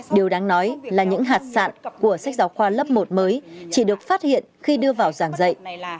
điều đáng nói là những hạt sạn của sách giáo khoa lớp một mới chỉ được phát hiện khi đưa vào giảng dạy